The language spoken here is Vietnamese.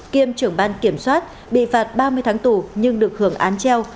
kiêm trưởng ban kiểm soát bị phạt ba mươi tháng tù nhưng được hưởng án treo